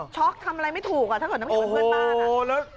ช็อคทำอะไรไม่ถูกถ้าเกิดมีเพื่อนบ้าน